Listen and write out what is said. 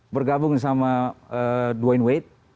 bergabung sama dwayne wade